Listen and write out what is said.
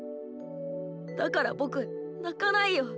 だからボクなかないよ。